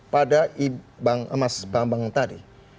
pada mas bambang tadi